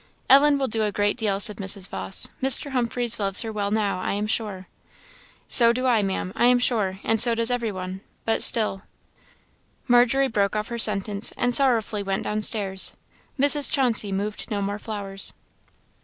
"Ellen will do a great deal," said Mrs. Vawse; "Mr. Humphreys loves her well now, I know." "So do I, Ma'am, I am sure; and so does every one; but still " Margery broke off her sentence, and sorrowfully went downstairs. Mrs. Chauncey moved no more flowers.